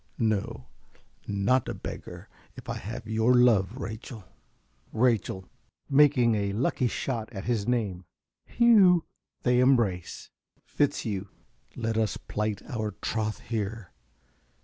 No, not a beggar if I have your love, Rachel. ~Rachel~ (making a lucky shot at his name). Hugh! (They embrace.) ~Fitzhugh.~ Let us plight our troth here.